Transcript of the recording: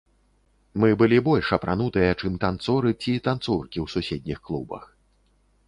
Мы былі больш апранутыя, чым танцоры ці танцоркі ў суседніх клубах.